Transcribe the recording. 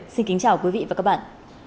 xin kính chào quý vị và các bạn